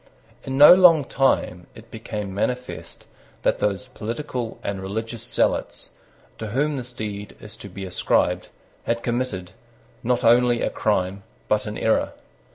In no long time it became manifest that those political and religious zealots, to whom this deed is to be ascribed, had committed, not only a crime, but an error.